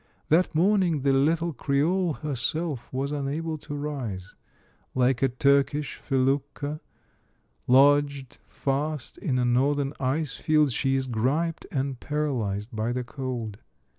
That morning the little Creole her self was unable to rise. Like a Turkish felucca lodged fast in Northern ice fields, she is griped and paralyzed by the cold.